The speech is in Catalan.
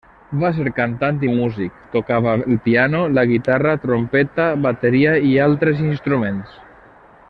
Va ser cantant i músic, tocava el piano, la guitarra, trompeta, bateria i altres instruments.